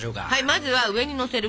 まずは上にのせる